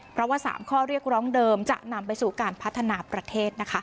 เพราะว่า๓ข้อเรียกร้องเดิมจะนำไปสู่การพัฒนาประเทศ